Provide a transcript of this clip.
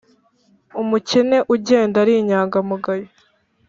umukene ugenda ari inyangamugayo